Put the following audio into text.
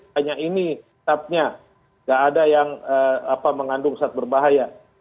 hanya ini tetapnya nggak ada yang mengandung saat berbahaya